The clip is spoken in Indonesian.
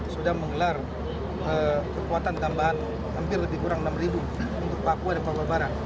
sudah menggelar kekuatan tambahan hampir lebih kurang enam untuk papua dan papua barat